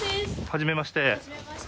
はじめまして。